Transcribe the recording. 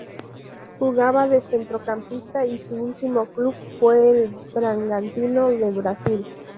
Jugaba de centrocampista y su último club fue el Bragantino de Brasil.